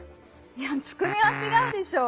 いやつくねはちがうでしょう。